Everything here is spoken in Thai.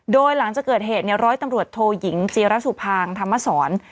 โดยหลังจากเกิดเหตุร้อยตำรวจโทยิงจีรสุภางธรรมสร